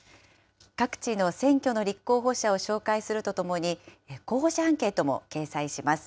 各地の選挙の立候補者を紹介するとともに、候補者アンケートも掲載します。